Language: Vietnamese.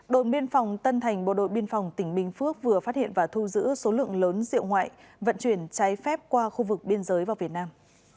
đội biên phòng tân thành bộ đội biên phòng tỉnh bình phước vừa phát hiện và thu giữ số lượng lớn rượu ngoại vận chuyển trái phép qua khu vực biên giới vào việt nam